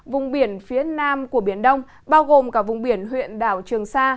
vùng biển phía nam của biển đông bao gồm cả vùng biển huyện đảo trường sa